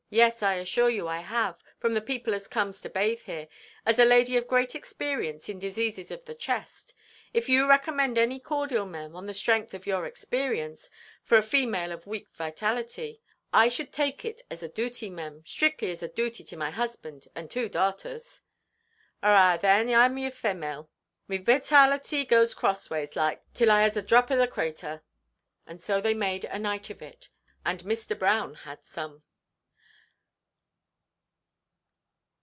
Yes, I assure you I have, from the people as comes to bathe here, as a lady of great experience in diseases of the chest. If you recommend any cordial, mem, on the strength of your experience, for a female of weak witality, I should take it as a dooty, mem, strictly as a dooty to my husband and two darters." "Arrah, then, Iʼm your femmale. Me witality goes crossways, like, till I has a drap o' the crather." And so they made a night of it, and Mr. Brown had some.